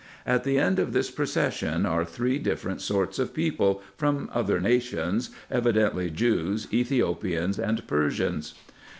At the end of this procession are three different sorts of people, from other nations, evidently Jews, Ethiopians, and Persians.